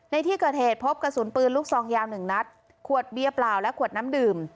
ในที่เกิดเหตุพบกระสุนปืนลูกซองยาวหนึ่งนัดขวดเบียร์เปล่าและขวดน้ำดื่ม